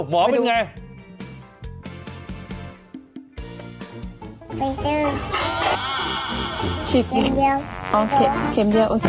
ชิบอีกโอเคเข็มเดียวโอเค